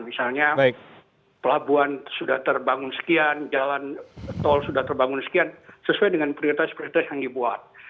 misalnya pelabuhan sudah terbangun sekian jalan tol sudah terbangun sekian sesuai dengan prioritas prioritas yang dibuat